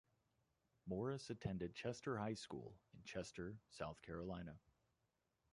Morris attended Chester High School in Chester, South Carolina.